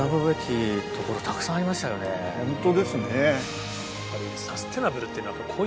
ホントですね。